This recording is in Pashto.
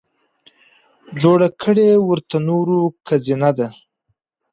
جوړه کړې ورته نورو که زينه ده